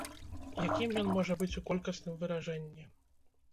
Якім ён можа быць у колькасным выражэнні?